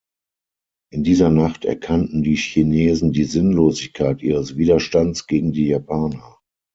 In dieser Nacht erkannten die Chinesen die Sinnlosigkeit ihres Widerstands gegen die Japaner.